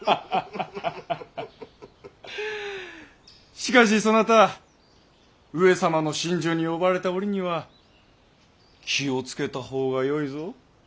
しかしそなた上様の寝所に呼ばれた折には気を付けた方がよいぞ。